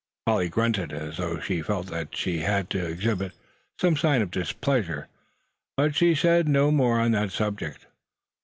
Polly grunted, as though she felt that she had to exhibit some sign of displeasure; but she said no more on that subject.